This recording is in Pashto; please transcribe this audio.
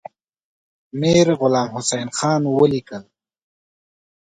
میرغلام حسین خان ولیکل.